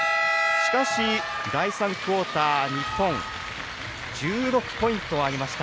しかし、第３クオーターで日本１６ポイントを挙げました。